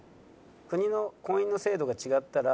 「国の婚姻の制度が違ったら」。